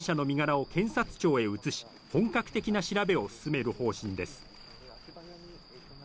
警察は午後に佐藤容疑者の身柄を検察庁へ移し、本格的な調べを進める方針です。